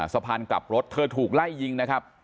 สะพานกลับรถเธอถูกไล่ยิงนะครับ